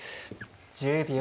１０秒。